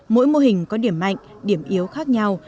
mỗi mô hình có điểm mạnh điểm yếu khác nhau